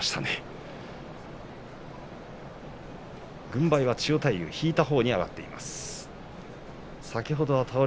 軍配は千代大龍引いたほうに上がっています。